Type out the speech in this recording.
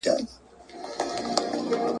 لاس دي رانه کړ اوبو چي ډوبولم !.